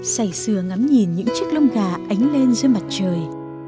say sưa ngắm nhìn những chiếc lông gà ánh lên dưới mặt trời